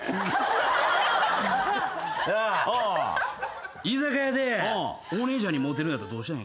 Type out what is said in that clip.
なあ居酒屋でお姉ちゃんにモテるんやったらどうしたらええんかな？